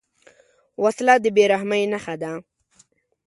وسله د بېرحمۍ نښه ده